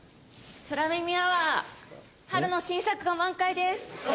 空耳アワー春の新作が満開です。